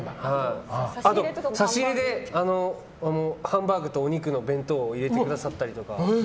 差し入れでハンバーグとお肉の弁当を入れてくださったりとか。